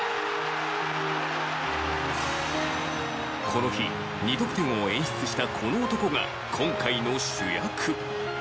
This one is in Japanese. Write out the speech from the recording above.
この日２得点を演出したこの男が今回の主役。